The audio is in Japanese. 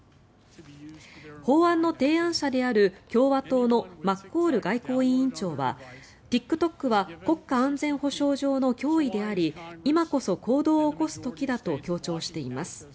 法案の提案者である共和党のマッコール外交委員長はＴｉｋＴｏｋは国家安全保障上の脅威であり今こそ行動を起こす時だと強調しています。